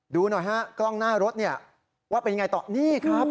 ดูหน่อยฮะกล้องหน้ารถเนี่ยว่าเป็นยังไงต่อนี่ครับ